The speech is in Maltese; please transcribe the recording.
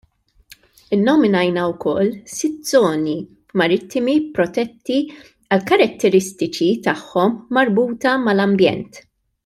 Innominajna wkoll sitt żoni marittimi protetti għall-karatterestiċi tagħhom marbuta mal-ambjent.